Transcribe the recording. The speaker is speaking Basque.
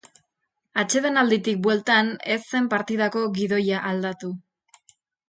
Atsedenalditik bueltan ez zen partidako gidoia aldatu.